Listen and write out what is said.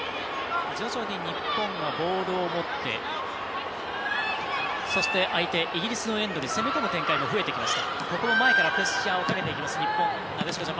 徐々に日本はボールを持ってそして、相手イギリスのエンドに攻め込む展開も増えてきました。